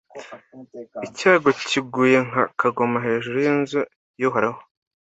Icyago kiguye nka kagoma hejuru y’inzu y’Uhoraho,